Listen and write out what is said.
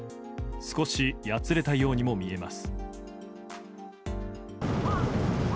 少しやつれたようにも見えます。